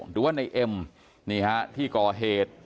หรือว่าในเอ็มนี่ฮะที่ก่อเหตุ